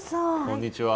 こんにちは。